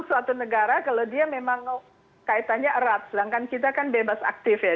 suatu negara kalau dia memang kaitannya erat sedangkan kita kan bebas aktif ya